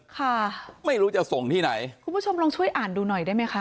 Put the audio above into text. ค่ะไม่รู้จะส่งที่ไหนคุณผู้ชมลองช่วยอ่านดูหน่อยได้ไหมคะ